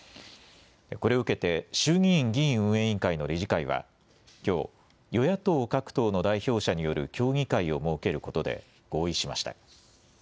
これを受けて衆議院議院運営委員会の理事会はきょう与野党各党の代表者による協議会を設けることで合意しました。